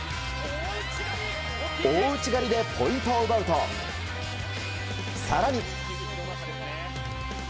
大内刈りでポイントを奪うと更に。